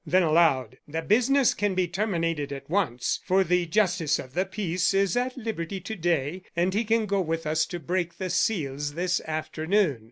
Then aloud: "The business can be terminated at once, for the justice of the peace is at liberty to day, and he can go with us to break the seals this afternoon."